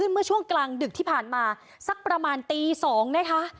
เมื่อช่วงกลางดึกที่ผ่านมาสักประมาณตี๒นะคะ